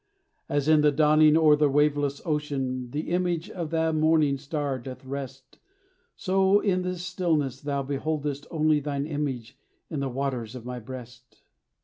As in the dawning o'er the waveless ocean The image of the morning star doth rest, So in this stillness thou beholdest only Thine image in the waters of my breast.